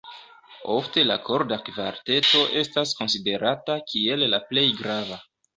Ofte la korda kvarteto estas konsiderata kiel la plej grava.